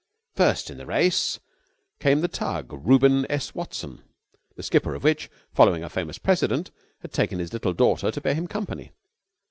First in the race came the tug Reuben S. Watson, the skipper of which, following a famous precedent, had taken his little daughter to bear him company.